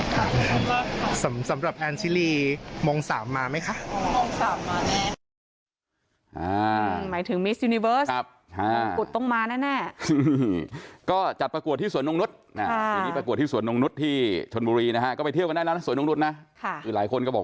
ขอบคุณครับนะคะที่ให้กำลังใจแอนแอนของทุกอย่างแล้วก็รักทุกคนสุดหัวใจเลยครับ